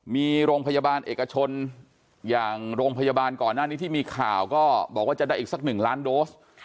มีโรงพยาบาลเอกชนอย่างโรงพยาบาลก่อนหน้านี้ที่มีข่าวก็บอกว่าจะได้อีกสัก๑ล้านโดส